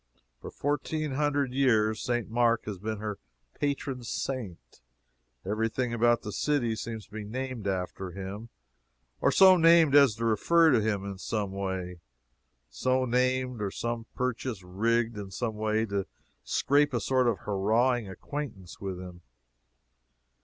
For fourteen hundred years St. Mark has been her patron saint. Every thing about the city seems to be named after him or so named as to refer to him in some way so named, or some purchase rigged in some way to scrape a sort of hurrahing acquaintance with him.